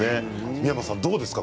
三山さんどうですか？